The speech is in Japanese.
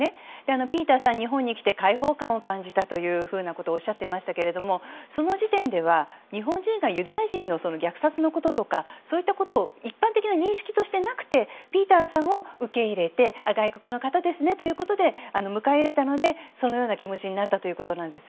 ピーターさんは日本に来て解放感を感じたとおっしゃっていましたがその時点では日本人がユダヤ人の虐殺のこととかそういったことを一般的認識としてなくてピーターさんを受け入れて外国の方ですねと迎え入れたのでそのような気持ちになったということです。